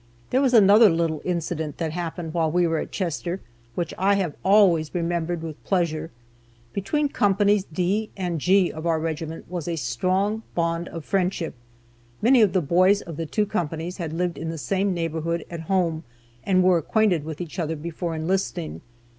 There was another little incident that happened while we were at Chester, which I have always remembered with pleasure. Between companies D and G of our regiment was a strong bond of friendship. Many of the boys of the two companies had lived in the same neighborhood at home, and were acquainted with each other before enlisting.